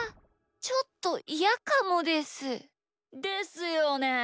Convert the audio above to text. ちょっとイヤかもです。ですよね。